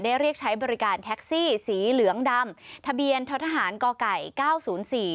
เรียกใช้บริการแท็กซี่สีเหลืองดำทะเบียนท้อทหารก่อไก่เก้าศูนย์สี่